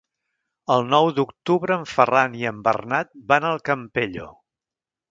El nou d'octubre en Ferran i en Bernat van al Campello.